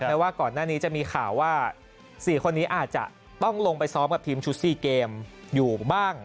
ว่าก่อนหน้านี้จะมีข่าวว่า๔คนนี้อาจจะต้องลงไปซ้อมกับทีมชุด๔เกมอยู่บ้าง